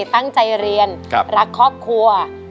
ตั้งใจเรียนรักครอบครัว